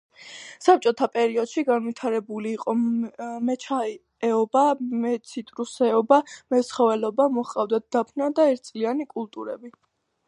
საბჭოთა პერიოდში განვითარებული იყო მეჩაიეობა, მეციტრუსეობა, მეცხოველეობა, მოჰყავდათ დაფნა და ერთწლიანი კულტურები.